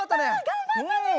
がんばったね。